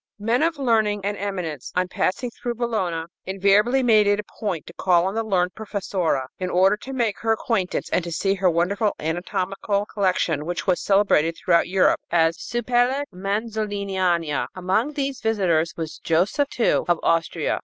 Men of learning and eminence, on passing through Bologna, invariably made it a point to call on the learned professora in order to make her acquaintance and to see her wonderful anatomical collection, which was celebrated throughout Europe as Supellex Manzoliniana. Among these visitors was Joseph II of Austria.